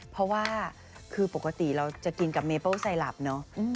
เพราะว่าคือปกติเราจะกินกับเมเปิ้ลไซลับเนอะ